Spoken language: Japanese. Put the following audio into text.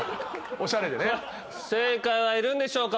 正解はいるんでしょうか？